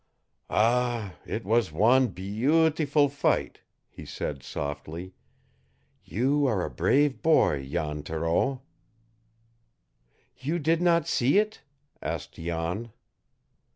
"Ah, it was wan be e a u tiful fight!" he said softly. "You are a brave boy, Jan Thoreau!" "You did not see it?" asked Jan.